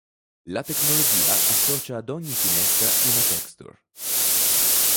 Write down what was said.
La tecnologia associa ad ogni finestra una texture.